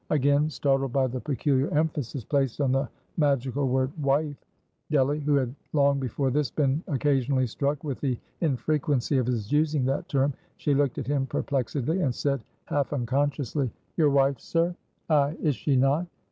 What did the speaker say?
Again startled by the peculiar emphasis placed on the magical word wife, Delly, who had long before this, been occasionally struck with the infrequency of his using that term; she looked at him perplexedly, and said half unconsciously "Your wife, sir?" "Ay, is she not?"